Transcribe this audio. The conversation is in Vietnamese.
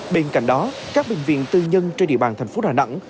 bên cạnh đó các bệnh viện tư nhân trên địa bàn thành phố đà nẵng